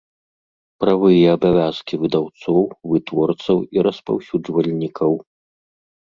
Правы i абавязкi выдаўцоў, вытворцаў i распаўсюджвальнiкаў